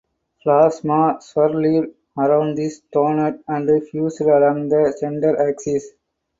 Plasma swirled around this donut and fused along the center axis.